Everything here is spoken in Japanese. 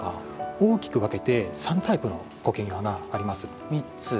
大きく分けて３タイプの苔庭があります。